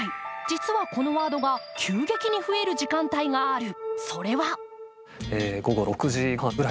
実はこのワードが急激に増える時間帯がある。